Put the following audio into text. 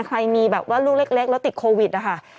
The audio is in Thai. ใครมีลูกเล็กแล้วติดโควิด